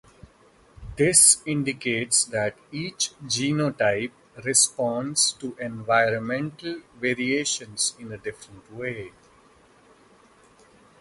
This indicates that each genotype responds to environmental variation in a different way.